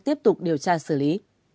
tiếp tục điều tra xử lý